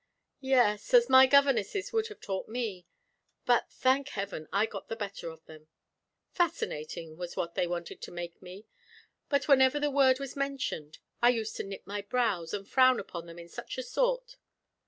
"Yes as my governesses would have taught me; but, thank heaven! I got the better of them. Fascinating was what they wanted to make me; but whenever the word was mentioned, I used to knit my brows, and frown upon them in such a sort.